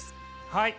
はい！